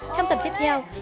trong tập tiếp theo